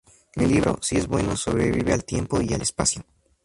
El libro, si es bueno, sobrevive al tiempo y al espacio.